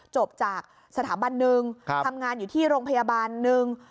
จบจากสถาบันหนึ่งทำงานอยู่ที่โรงพยาบาลหนึ่ง